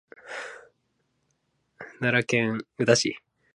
奈良県宇陀市